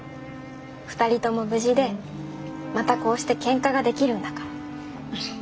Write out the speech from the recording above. ２人とも無事でまたこうしてけんかができるんだから。